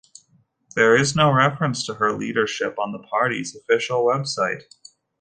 There is no reference to her leadership on the party's official website.